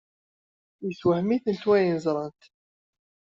Yessewhem-itent wayen ẓrant.